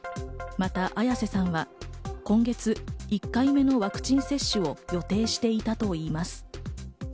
また綾瀬さんは今月、１回目のワクチン接種を予定していたといいます。